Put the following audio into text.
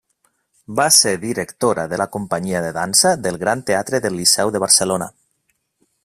Va ser directora de la Companyia de Dansa del Gran Teatre del Liceu de Barcelona.